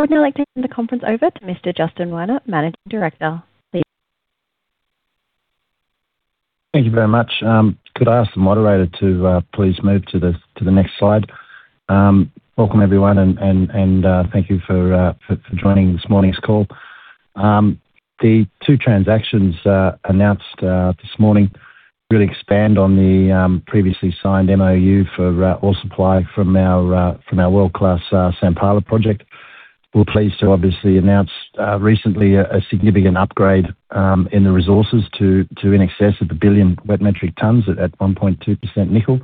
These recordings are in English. I would now like to hand the conference over to Mr. Justin Werner, Managing Director. Please. Thank you very much. Could I ask the moderator to please move to the next slide? Welcome, everyone, and thank you for joining this morning's call. The two transactions announced this morning really expand on the previously signed MoU for ore supply from our world-class Sampala Project. We're pleased to obviously announce recently a significant upgrade in the resources to in excess of 1 billion wet metric tonnes at 1.2% nickel.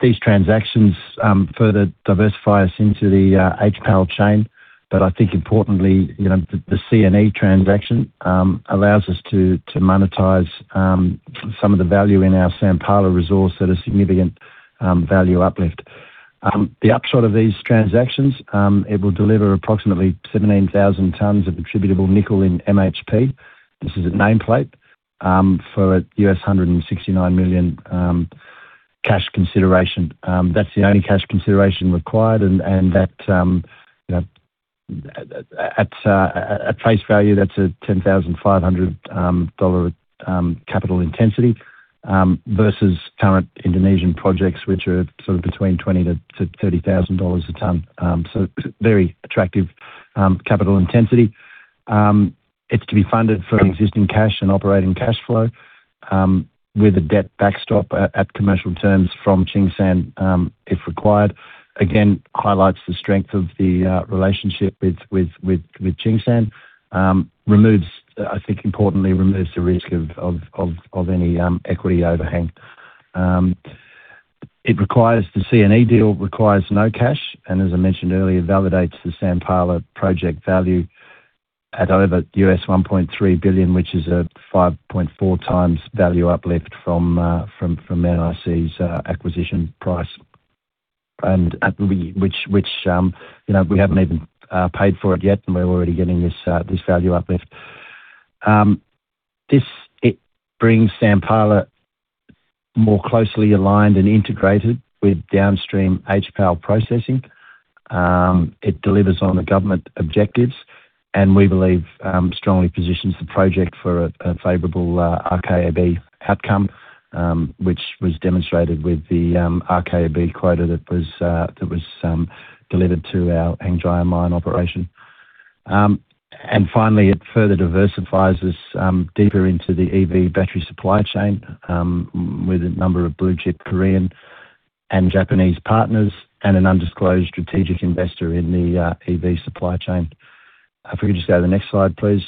These transactions further diversify us into the HPAL chain. I think importantly, the CNE transaction allows us to monetize some of the value in our Sampala resource at a significant value uplift. The upshot of these transactions, it will deliver approximately 17,000 tonnes of attributable nickel in MHP. This is a nameplate for a $169 million cash consideration. That's the only cash consideration required, at face value, that's a $10,500 capital intensity versus current Indonesian projects, which are sort of between $20,000-$30,000 a tonne. Very attractive capital intensity. It's to be funded from existing cash and operating cash flow with a debt backstop at commercial terms from Tsingshan if required. Highlights the strength of the relationship with Tsingshan. Importantly removes the risk of any equity overhang. The CNE deal requires no cash, as I mentioned earlier, validates the Sampala Project value at over $1.3 billion, which is a 5.4x value uplift from NIC's acquisition price. Which we haven't even paid for it yet and we're already getting this value uplift. It brings Sampala more closely aligned and integrated with downstream HPAL processing. It delivers on the government objectives and we believe strongly positions the project for a favorable RKAB outcome, which was demonstrated with the RKAB quota that was delivered to our Hengjaya mine operation. Finally, it further diversifies us deeper into the EV battery supply chain, with a number of blue-chip Korean and Japanese partners and an undisclosed strategic investor in the EV supply chain. If we could just go to the next slide, please.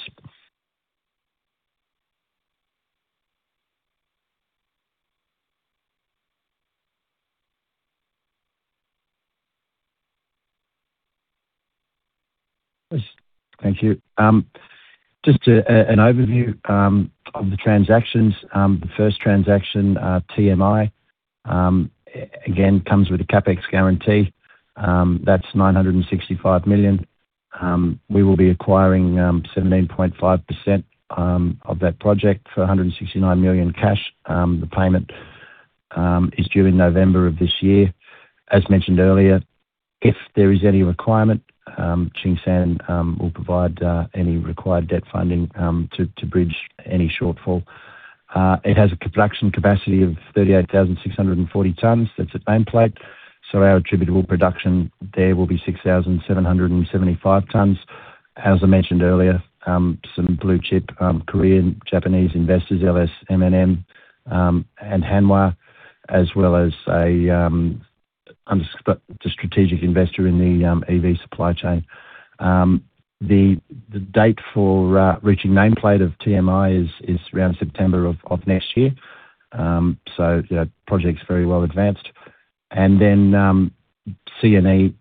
Thank you. Just an overview of the transactions. The first transaction, TMI, comes with a CapEx guarantee. That's $965 million. We will be acquiring 17.5% of that project for $169 million cash. The payment is due in November of this year. As mentioned earlier, if there is any requirement, Tsingshan will provide any required debt funding to bridge any shortfall. It has a production capacity of 38,640 tonnes. That's at nameplate. Our attributable production there will be 6,775 tonnes. I mentioned earlier, some blue-chip Korean, Japanese investors, LS, M&M, and Hanwha, as well as a strategic investor in the EV supply chain. The date for reaching nameplate of TMI is around September of next year. The project's very well advanced. Then CNE,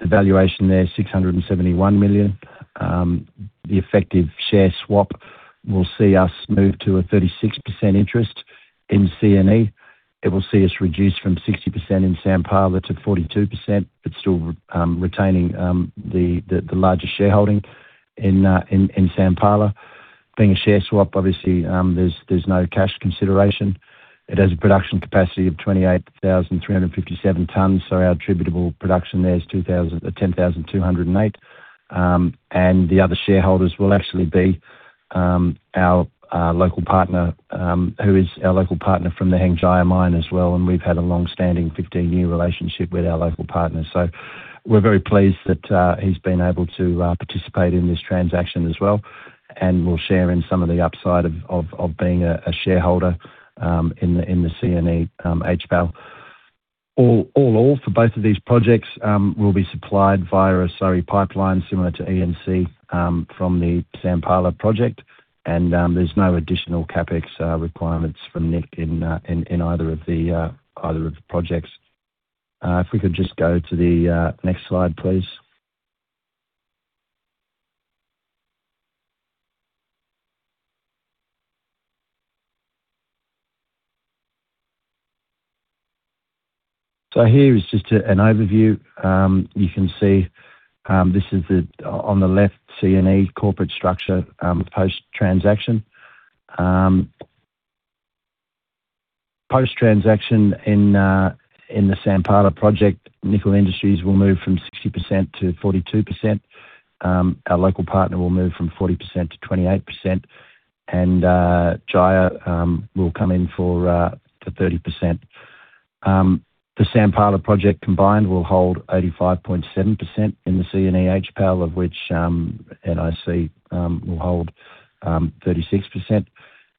the valuation there, $671 million. The effective share swap will see us move to a 36% interest in CNE. It will see us reduce from 60% in Sampala to 42%, but still retaining the largest shareholding in Sampala. Being a share swap, obviously, there's no cash consideration. It has a production capacity of 28,357 tonnes. Our attributable production there is 10,208 tonnes. The other shareholders will actually be our local partner, who is our local partner from the Hengjaya Mine as well, and we've had a long-standing 15-year relationship with our local partner. We're very pleased that he's been able to participate in this transaction as well and will share in some of the upside of being a shareholder in the CNE HPAL. All ore for both of these projects will be supplied via a slurry pipeline similar to ENC from the Sampala project. There's no additional CapEx requirements from NIC in either of the projects. If we could just go to the next slide, please. Here is just an overview. You can see on the left, CNE corporate structure post-transaction. Post-transaction in the Sampala project, Nickel Industries will move from 60% to 42%. Our local partner will move from 40% to 28%, and Jaya will come in to 30%. The Sampala project combined will hold 85.7% in the CNE HPAL, of which NIC will hold 36%,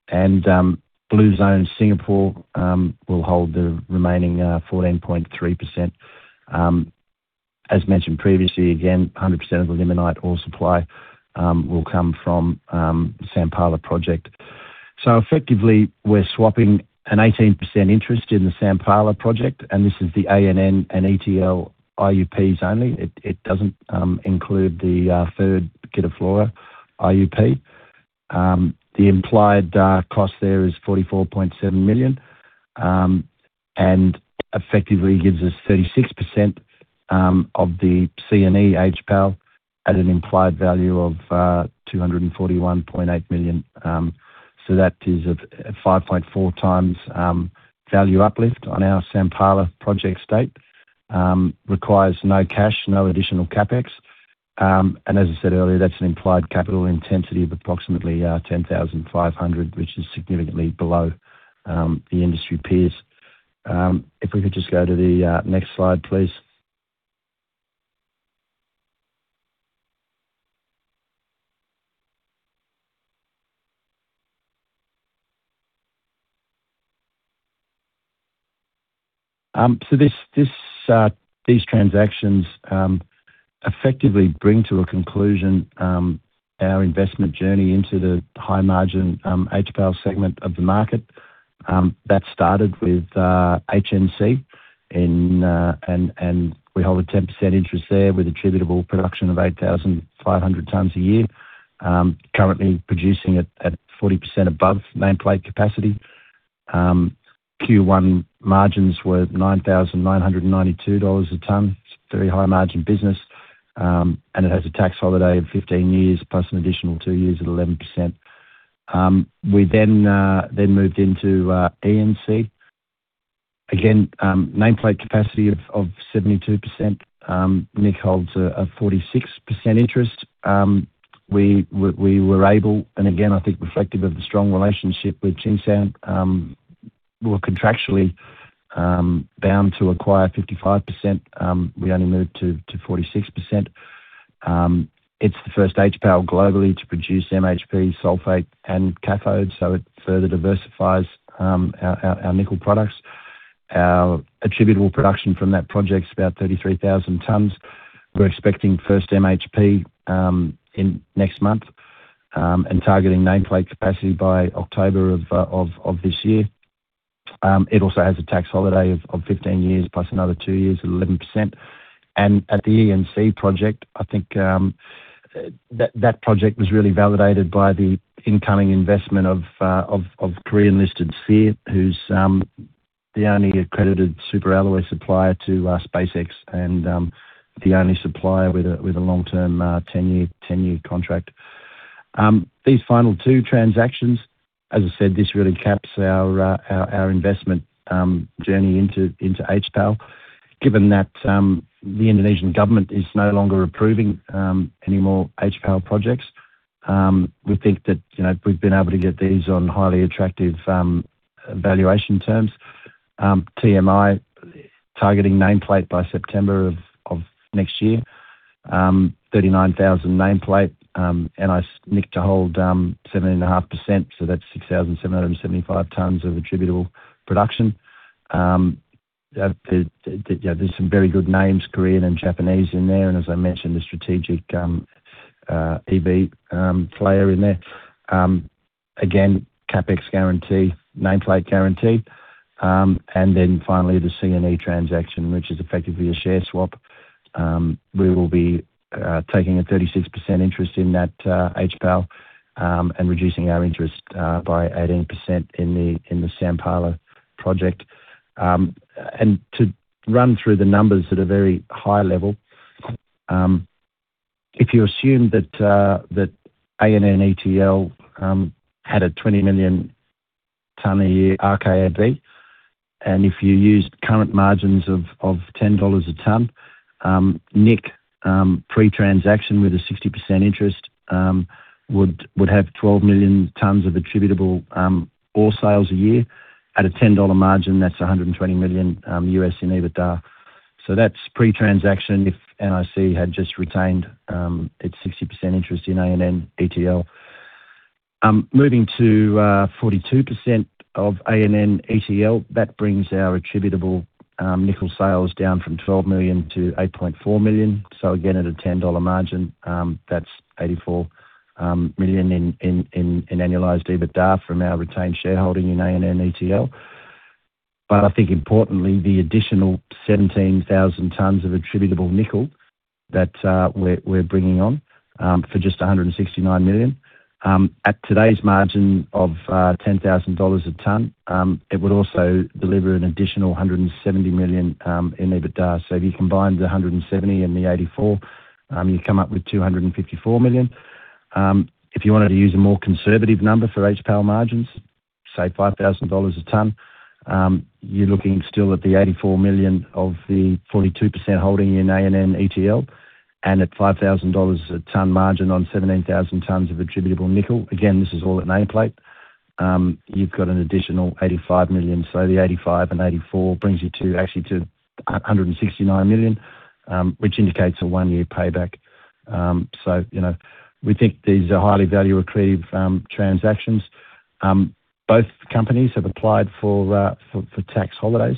and Blue Zone Singapore will hold the remaining 14.3%. As mentioned previously, again, 100% of the limonite ore supply will come from the Sampala project. Effectively, we're swapping an 18% interest in the Sampala project. This is the A&N and ETL IUPs only. It doesn't include the third, Kitafora, IUP. The implied cost there is $44.7 million and effectively gives us 36% of the CNE HPAL at an implied value of $241.8 million. That is a 5.4x value uplift on our Sampala project stake. Requires no cash, no additional CapEx. As I said earlier, that's an implied capital intensity of approximately $10,500, which is significantly below the industry peers. If we could just go to the next slide, please. These transactions effectively bring to a conclusion our investment journey into the high-margin HPAL segment of the market. That started with HNC. We hold a 10% interest there with attributable production of 8,500 tonnes a year. Currently producing at 40% above nameplate capacity. Q1 margins were $9,992 a tonne. It's a very high-margin business. It has a tax holiday of 15 years, plus an additional two years at 11%. We moved into ENC. Nameplate capacity of 72%. NIC holds a 46% interest. We were able, I think reflective of the strong relationship with Tsingshan, were contractually bound to acquire 55%. We only moved to 46%. It's the first HPAL globally to produce MHP, sulfate, and cathode. It further diversifies our nickel products. Our attributable production from that project is about 33,000 tonnes. We're expecting first MHP next month and targeting nameplate capacity by October of this year. It also has a tax holiday of 15 years, plus another two years at 11%. At the ENC project, I think that project was really validated by the incoming investment of Korean-listed SeAH who's the only accredited superalloy supplier to SpaceX and the only supplier with a long-term 10-year contract. These final two transactions, as I said, this really caps our investment journey into HPAL. Given that the Indonesian government is no longer approving any more HPAL projects, we think that we've been able to get these on highly attractive valuation terms. TMI, targeting nameplate by September of next year. 39,000 tonnes nameplate, and NIC to hold 17.5%, so that's 6,775 tonnes of attributable production. There's some very good names, Korean and Japanese in there, and as I mentioned, the strategic EV player in there. Again, CapEx guarantee, nameplate guarantee. Finally, the CNE transaction, which is effectively a share swap. We will be taking a 36% interest in that HPAL and reducing our interest by 18% in the Sampala Project. To run through the numbers at a very high level, if you assume that A&N ETL had a 20 million tonne a year RKAB, if you used current margins of $10 a tonne, NIC, pre-transaction with a 60% interest, would have 12 million tonnes of attributable ore sales a year. At a $10 margin, that's $120 million in EBITDA. That's pre-transaction if NIC had just retained its 60% interest in A&N ETL. Moving to 42% of A&N ETL, that brings our attributable nickel sales down from 12 million to 8.4 million. Again, at a $10 margin, that's $84 million in annualized EBITDA from our retained shareholding in A&N ETL. I think importantly, the additional 17,000 tonnes of attributable nickel that we're bringing on for just $169 million. At today's margin of $10,000 a tonne, it would also deliver an additional $170 million in EBITDA. If you combine the $170 million and the $84 million, you come up with $254 million. If you wanted to use a more conservative number for HPAL margins, say $5,000 a ton, you're looking still at the $84 million of the 42% holding in A&N ETL. At $5,000 a tonne margin on 17,000 tonnes of attributable nickel, again, this is all at nameplate, you've got an additional $85 million. The $85 and $84 brings you actually to $169 million, which indicates a one-year payback. We think these are highly value-accretive transactions. Both companies have applied for tax holidays.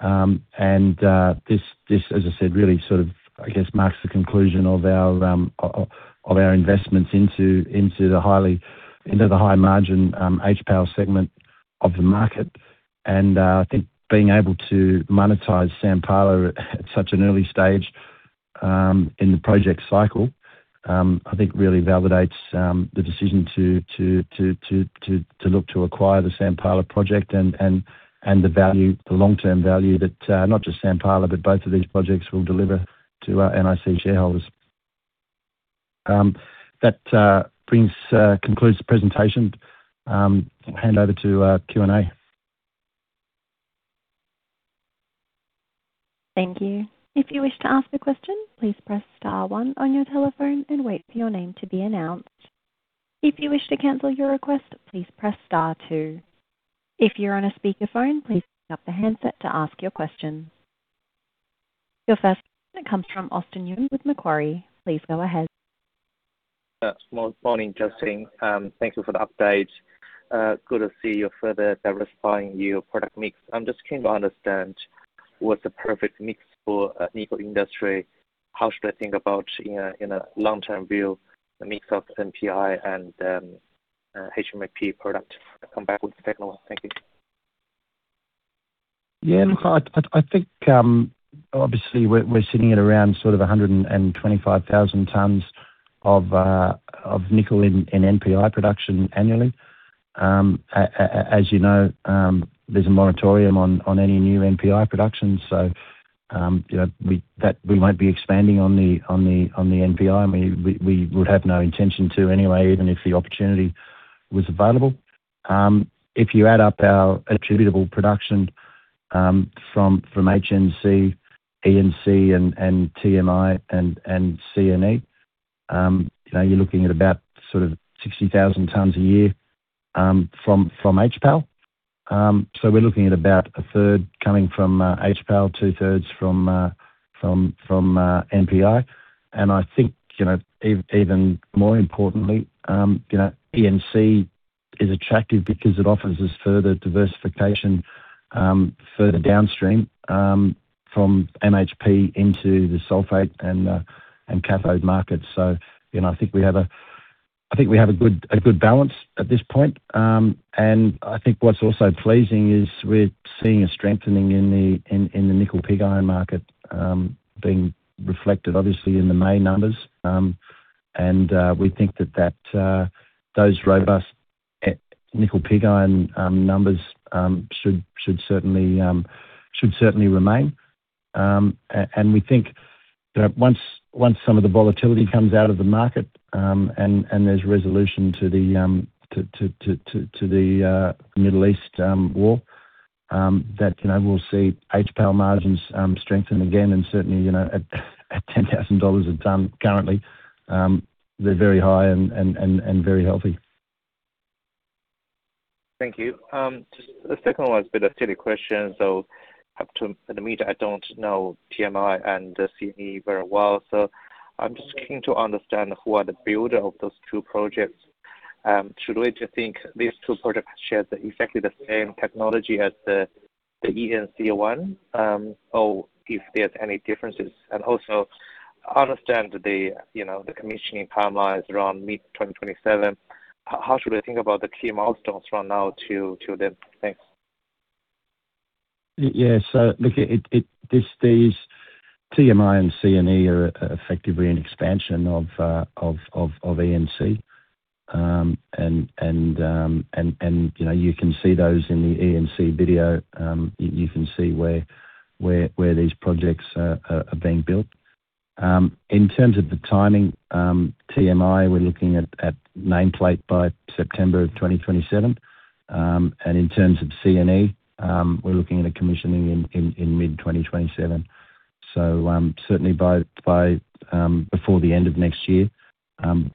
This, as I said, really sort of, I guess, marks the conclusion of our investments into the high margin HPAL segment of the market. I think being able to monetize Sampala at such an early stage in the project cycle, I think really validates the decision to look to acquire the Sampala Project and the long-term value that, not just Sampala, but both of these projects will deliver to our NIC shareholders. That concludes the presentation. I'll hand over to Q&A. Thank you. If you wish to ask a question, please press star one on your telephone and wait for your name to be announced. If you wish to cancel your request, please press star two. If you're on a speakerphone, please pick up the handset to ask your question. Your first question comes from Austin Yoon with Macquarie. Please go ahead. Morning, Justin. Thank you for the update. Good to see you further diversifying your product mix. I'm just keen to understand what's the perfect mix for Nickel Industries. How should I think about, in a long-term view, the mix of NPI and MHP product? I'll come back with the second one. Thank you. I think, obviously we're sitting at around sort of 125,000 tonnes of nickel in NPI production annually. As you know, there's a moratorium on any new NPI production, so we might be expanding on the NPI, and we would have no intention to anyway, even if the opportunity was available. If you add up our attributable production from HNC, ENC, TMI, and CNE, you're looking at about sort of 60,000 tonnes a year from HPAL. We're looking at about a third coming from HPAL, 2/3 from NPI. I think, even more importantly, ENC is attractive because it offers us further diversification further downstream from MHP into the sulfate and cathode markets. I think we have a good balance at this point. I think what's also pleasing is we're seeing a strengthening in the nickel pig iron market being reflected obviously in the May numbers. We think that those robust nickel pig iron numbers should certainly remain. We think that once some of the volatility comes out of the market, and there's resolution to the Middle East war, that we'll see HPAL margins strengthen again and certainly, at $10,000 a tonne currently, they're very high and very healthy. Thank you. Just the second one is a bit of a silly question. Up to the media, I don't know TMI and CNE very well. I'm just keen to understand who are the builder of those two projects. Should we think these two projects share exactly the same technology as the ENC one, or if there's any differences? Also, I understand the commissioning timeline is around mid-2027. How should I think about the key milestones from now to then? Thanks. Yeah. Look, TMI and CNE are effectively an expansion of ENC. You can see those in the ENC video. You can see where these projects are being built. In terms of the timing, TMI, we're looking at nameplate by September of 2027. In terms of CNE, we're looking at a commissioning in mid-2027. Certainly before the end of next year,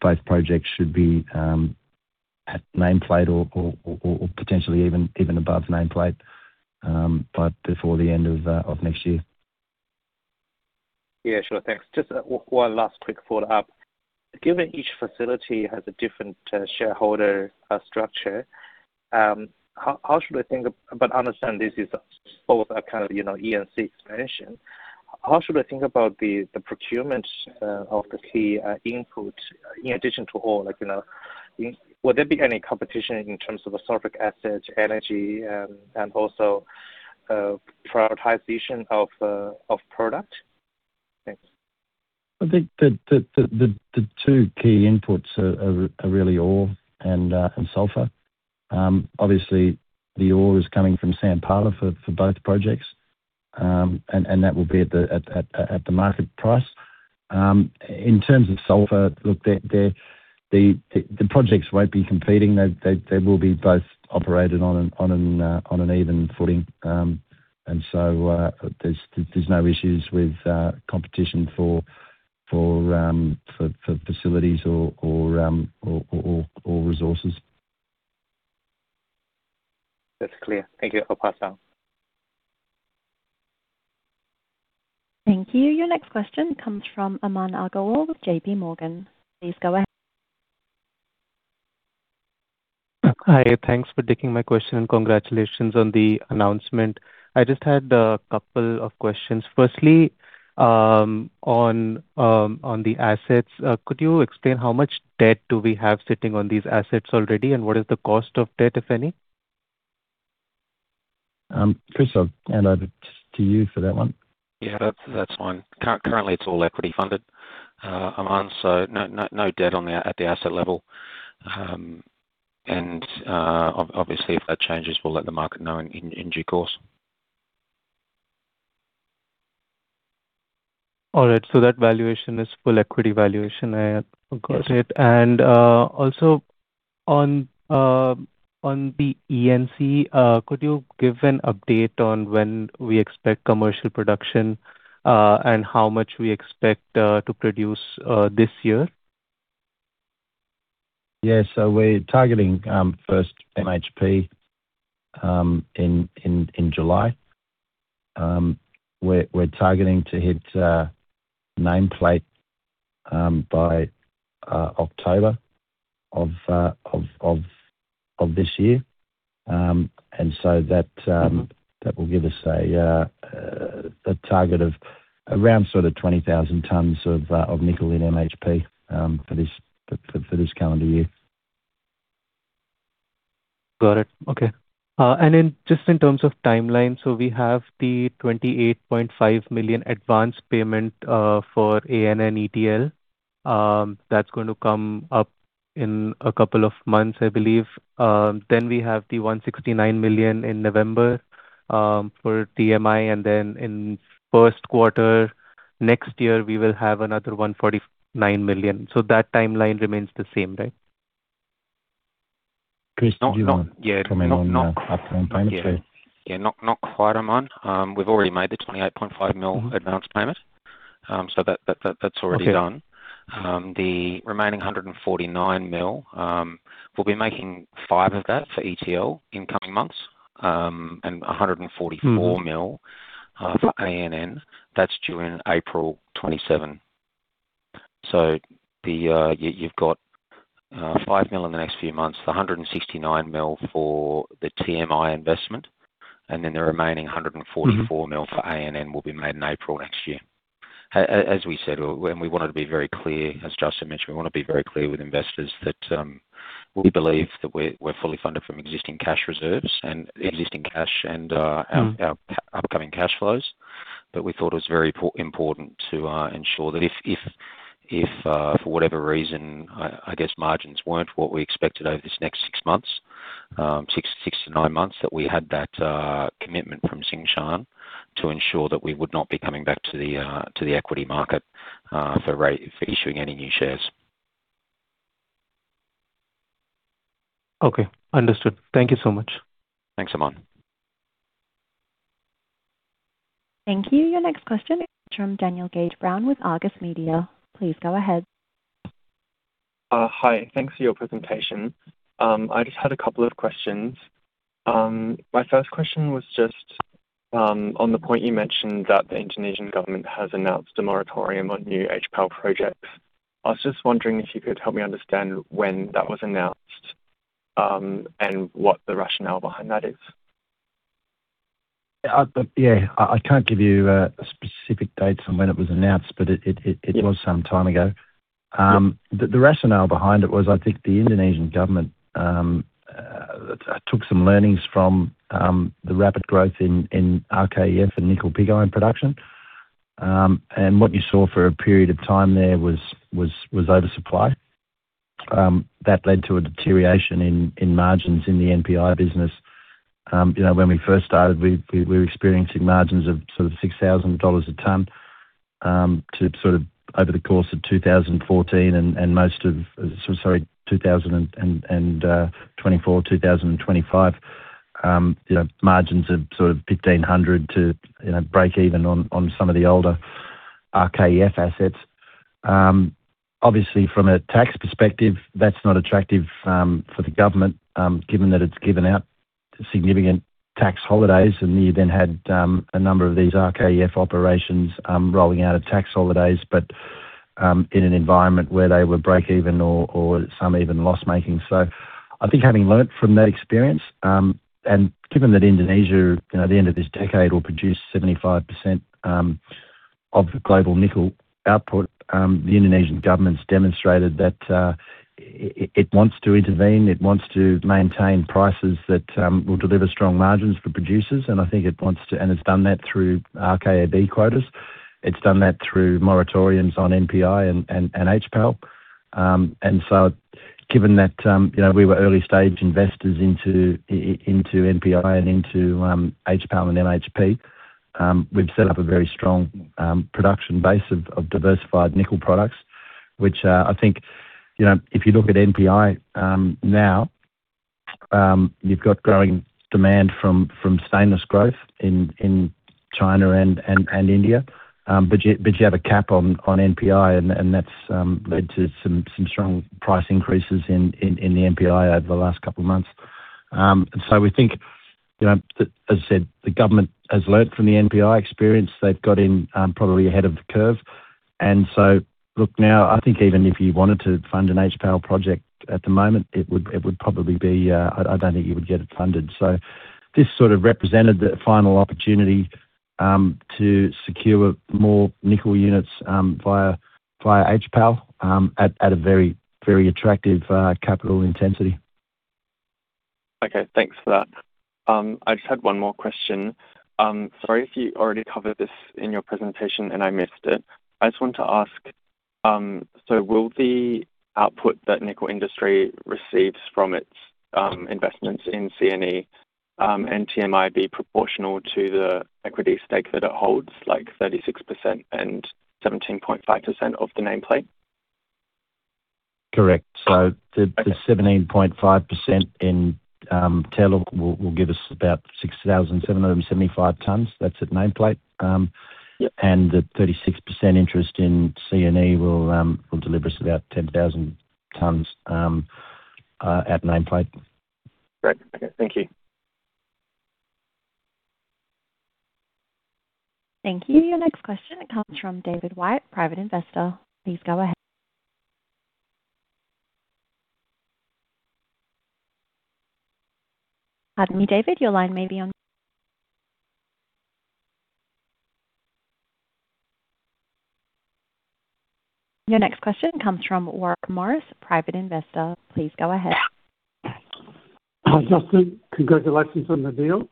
both projects should be at nameplate or potentially even above nameplate, but before the end of next year. Yeah, sure. Thanks. Just one last quick follow-up. Given each facility has a different shareholder structure, but understand this is both a kind of ENC expansion, how should I think about the procurement of the key input in addition to ore? Would there be any competition in terms of sulfuric assets, energy, and also prioritization of product? Thanks. I think the two key inputs are really ore and sulfur. Obviously, the ore is coming from Sampala for both projects. That will be at the market price. In terms of sulfur, look, the projects won't be competing. They will be both operated on an even footing. There's no issues with competition for facilities or resources. That's clear. Thank you. I'll pass on. Thank you. Your next question comes from Aman Aggarwal with JPMorgan. Please go ahead. Hi, thanks for taking my question, and congratulations on the announcement. I just had a couple of questions. Firstly, on the assets, could you explain how much debt do we have sitting on these assets already, and what is the cost of debt, if any? Chris, I'll hand over to you for that one. Yeah, that's fine. Currently, it's all equity funded, Aman. No debt at the asset level. Obviously, if that changes, we'll let the market know in due course. All right. That valuation is full equity valuation, I got it. Yes. Also on the ENC, could you give an update on when we expect commercial production, and how much we expect to produce this year? Yeah. We're targeting first MHP in July. We're targeting to hit nameplate by October of this year. That will give us a target of around 20,000 tonnes of nickel in MHP, for this calendar year. Got it. Okay. Just in terms of timeline, we have the $28.5 million advance payment for A&N ETL. That's going to come up in a couple of months, I believe. We have the $169 million in November for TMI, and in first quarter next year, we will have another $149 million. That timeline remains the same, right? Chris, did you want No. Yeah Did you want to comment on the upcoming payments? Yeah. Not quite, Aman. We've already made the $28.5 million advance payment. That's already done. Okay. The remaining $149 million, we'll be making five of that for ETL in coming months. $144 million for ANN. That's due in April 2027. You've got $5 million in the next few months, the $169 million for the TMI investment, the remaining $144 million for ANN will be made in April next year. As we said, we wanted to be very clear, as Justin mentioned, we want to be very clear with investors that we believe that we're fully funded from existing cash reserves and existing cash and our upcoming cash flows. We thought it was very important to ensure that if, for whatever reason, I guess margins weren't what we expected over this next six months, six to nine months, that we had that commitment from Tsingshan to ensure that we would not be coming back to the equity market for issuing any new shares. Okay. Understood. Thank you so much. Thanks, Aman. Thank you. Your next question is from Daniel Gage-Brown with Argus Media. Please go ahead. Hi. Thanks for your presentation. I just had a couple of questions. My first question was just, on the point you mentioned that the Indonesian government has announced a moratorium on new HPAL projects. I was just wondering if you could help me understand when that was announced, and what the rationale behind that is. Yeah. I can't give you a specific date on when it was announced, but it was some time ago. Yeah. The rationale behind it was, I think the Indonesian government took some learnings from the rapid growth in RKEF and nickel pig iron production. What you saw for a period of time there was oversupply. That led to a deterioration in margins in the NPI business. When we first started, we were experiencing margins of sort of $6,000 a tonne, to sort of over the course of 2024 and most of 2025, margins of $1,500 to breakeven on some of the older RKEF assets. Obviously, from a tax perspective, that's not attractive for the government, given that it's given out significant tax holidays, you then had a number of these RKEF operations rolling out of tax holidays, but in an environment where they were breakeven or some even loss-making. I think having learned from that experience, and given that Indonesia, at the end of this decade, will produce 75% of global nickel output. The Indonesian government's demonstrated that it wants to intervene, it wants to maintain prices that will deliver strong margins for producers, and I think it wants to, and it's done that through RKAB quotas. It's done that through moratoriums on NPI and HPAL. Given that we were early-stage investors into NPI and into HPAL and MHP, we've set up a very strong production base of diversified nickel products. I think, if you look at NPI now, you've got growing demand from stainless growth in China and India. You have a cap on NPI, and that's led to some strong price increases in the NPI over the last couple of months. We think that, as I said, the government has learned from the NPI experience. They've got in, probably ahead of the curve. Look, now, I think even if you wanted to fund an HPAL project at the moment, it would probably be, I don't think you would get it funded. This sort of represented the final opportunity to secure more nickel units via HPAL at a very attractive capital intensity. Okay, thanks for that. I just had one more question. Sorry if you already covered this in your presentation and I missed it. I just want to ask, will the output that Nickel Industries receives from its investments in CNE and TMI be proportional to the equity stake that it holds, like 36% and 17.5% of the nameplate? Correct. Okay 17.5% in TMI will give us about 6,775 tonnes. That's at nameplate. Yep. The 36% interest in CNE will deliver us about 10,000 tonnes at nameplate. Great. Okay. Thank you. Thank you. Your next question comes from David White, private investor. Please go ahead. Pardon me, David, your line may be on. Your next question comes from Warwick Morris, private investor. Please go ahead. Justin, congratulations on the deal.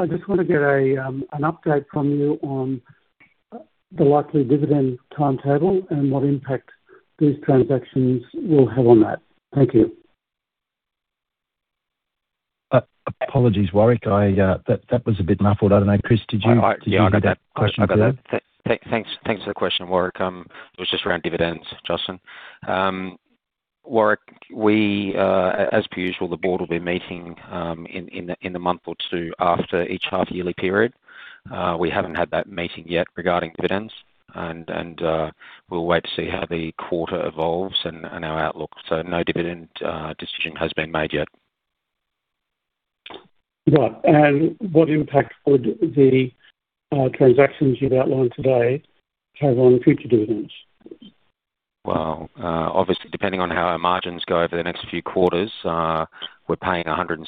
I just want to get an update from you on the likely dividend timetable and what impact these transactions will have on that. Thank you. Apologies, Warwick, that was a bit muffled. I don't know, Chris, did you get that question too? Yeah, I got that. Thanks for the question, Warwick. It was just around dividends, Justin. Warwick, as per usual, the board will be meeting in the month or two after each half-yearly period. We haven't had that meeting yet regarding dividends, and we'll wait to see how the quarter evolves and our outlook. No dividend decision has been made yet. Right. What impact would the transactions you've outlined today have on future dividends? Well, obviously, depending on how our margins go over the next few quarters, we're paying $169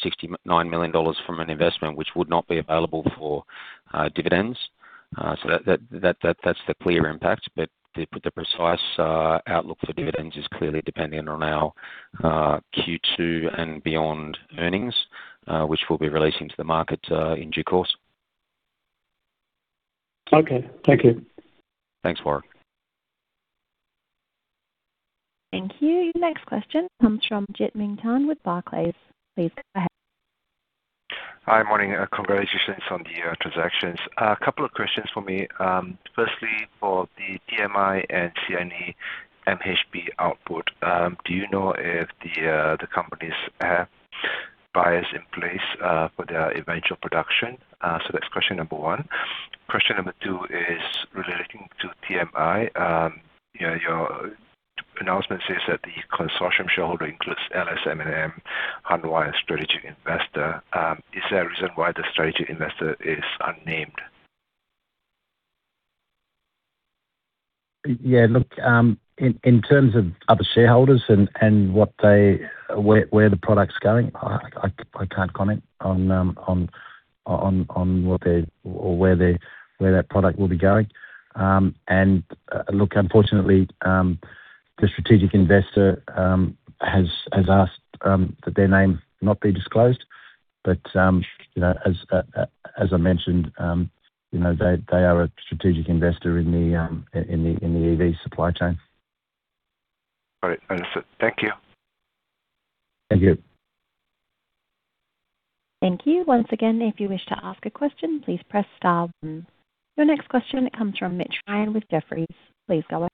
million from an investment which would not be available for dividends. That's the clear impact. The precise outlook for dividends is clearly dependent on our Q2 and beyond earnings, which we'll be releasing to the market in due course. Okay. Thank you. Thanks, Warwick. Thank you. Your next question comes from Jit Ming Tan with Barclays. Please go ahead. Hi. Morning. Congratulations on the transactions. A couple of questions from me. Firstly, for the TMI and CNE MHP output, do you know if the companies have buyers in place for their eventual production? That's question number one. Question number two is relating to TMI. Your announcement says that the consortium shareholder includes LS M&M, Hanwha, and a strategic investor. Is there a reason why the strategic investor is unnamed? Yeah, look, in terms of other shareholders and where the product's going, I can't comment on what they're or where that product will be going. Look, unfortunately, the strategic investor has asked that their name not be disclosed. As I mentioned, they are a strategic investor in the EV supply chain. All right. Understood. Thank you. Thank you. Thank you. Once again, if you wish to ask a question, please press star one. Your next question comes from Mitch Ryan with Jefferies. Please go ahead.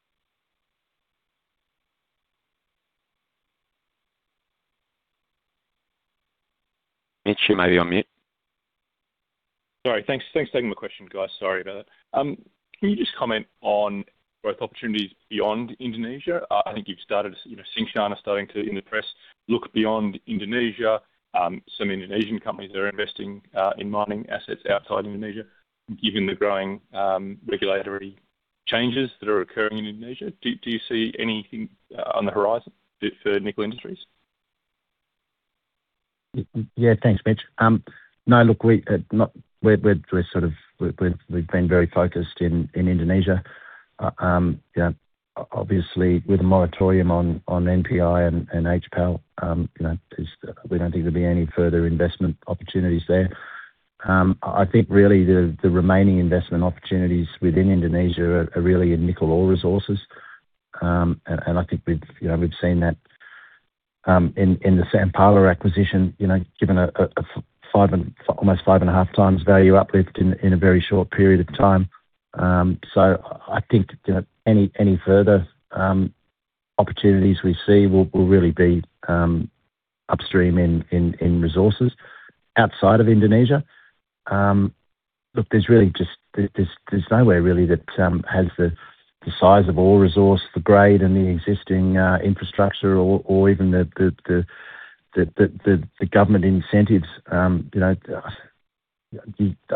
Mitch, you may be on mute. Sorry. Thanks for taking my question, guys. Sorry about that. Can you just comment on growth opportunities beyond Indonesia? I think you've started, Tsingshan is starting to, in the press, look beyond Indonesia. Some Indonesian companies are investing in mining assets outside Indonesia. Given the growing regulatory changes that are occurring in Indonesia, do you see anything on the horizon for Nickel Industries? Thanks, Mitch. No, look, we've been very focused in Indonesia. Obviously, with a moratorium on NPI and HPAL we don't think there'll be any further investment opportunities there. I think really the remaining investment opportunities within Indonesia are really in nickel ore resources. I think we've seen that in the Sampala acquisition, given almost 5.5x value uplift in a very short period of time. I think any further opportunities we see will really be upstream in resources. Outside of Indonesia, look, there's nowhere really that has the size of ore resource, the grade and the existing infrastructure or even the government incentives. I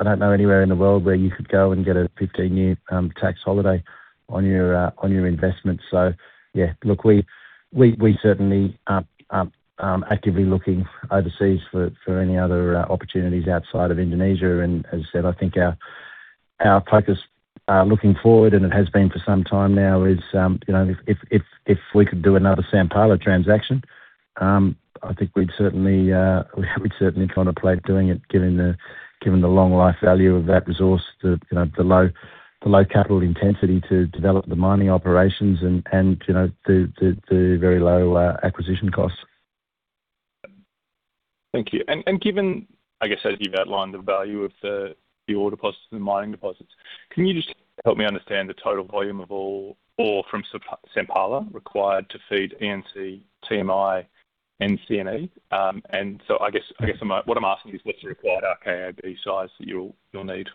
don't know anywhere in the world where you could go and get a 15-year tax holiday on your investment. Look, we certainly are actively looking overseas for any other opportunities outside of Indonesia. As I said, I think our focus looking forward, and it has been for some time now, is if we could do another Sampala transaction, I think we'd certainly contemplate doing it given the long life value of that resource, the low capital intensity to develop the mining operations and the very low acquisition costs. Thank you. Given, I guess as you've outlined, the value of the ore deposits and the mining deposits, can you just help me understand the total volume of ore from Sampala required to feed ENC, TMI and CNE? I guess what I'm asking is what's the required RKAB size that you'll need?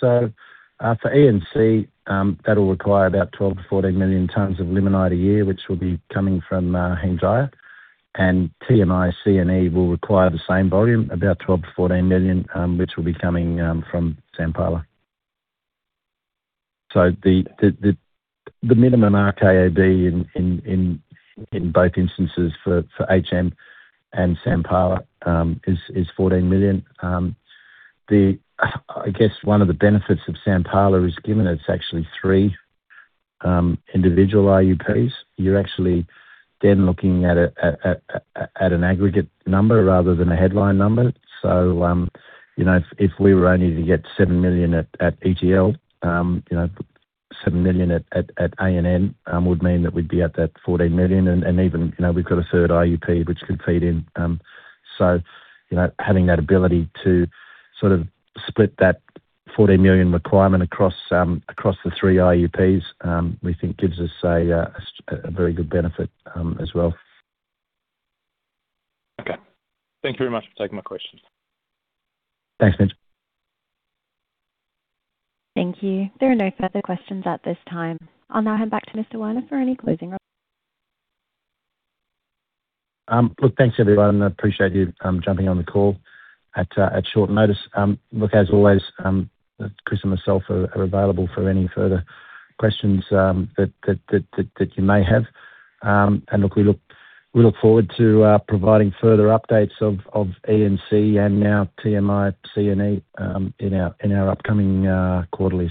For ENC, that'll require about 12 million-14 million tonnes of limonite a year, which will be coming from Hengjaya. TMI, CNE will require the same volume, about 12 million-14 million tonnes, which will be coming from Sampala. The minimum RKAB in both instances for HM and Sampala is 14 million tonnes. I guess one of the benefits of Sampala is given it's actually three individual IUPs. You're actually then looking at an aggregate number rather than a headline number. If we were only to get 7 million tonnes at ETL, 7 million tonnes at A&N, would mean that we'd be at that 14 million tonnes and even, we've got a third IUP which could feed in. Having that ability to sort of split that 14 million tonnes requirement across the three IUPs, we think gives us a very good benefit as well. Okay. Thank you very much for taking my questions. Thanks, Mitch. Thank you. There are no further questions at this time. I'll now hand back to Mr. Werner for any closing remarks. Look, thanks everyone. I appreciate you jumping on the call at short notice. Look, as always, Chris and myself are available for any further questions that you may have. We look forward to providing further updates of ENC and now TMI, CNE in our upcoming quarterly.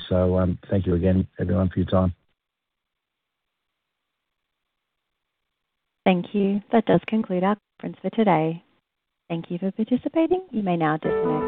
Thank you again, everyone, for your time. Thank you. That does conclude our conference for today. Thank you for participating. You may now disconnect.